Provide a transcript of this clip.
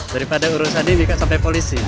daripada urusan di ikan sampai polisi